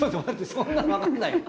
そんなの分かんないよ。